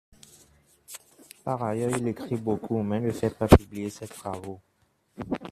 Par ailleurs il écrit beaucoup mais ne fait pas publier ses travaux.